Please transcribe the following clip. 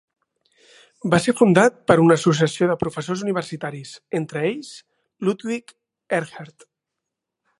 Va ser fundat per una associació de professors universitaris, entre ells Ludwig Erhard.